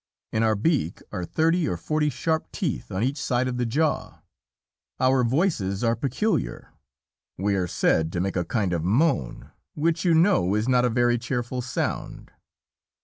In our beak are thirty or forty sharp teeth on each side of the jaw. Our voices are peculiar. We are said to make a kind of moan, which you know is not a very cheerful sound.